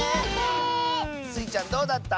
スイちゃんどうだった？